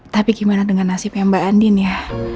tapi gimana dengan nasibnya mbak andin ya